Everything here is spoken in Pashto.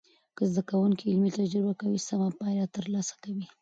که زده کوونکي علمي تجربه کوي، سمه پایله تر لاسه کوي.